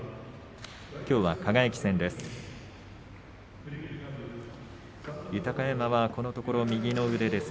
きょうは輝戦です。